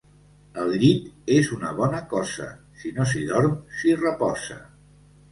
El llit és una bona cosa: si no s'hi dorm, s'hi reposa.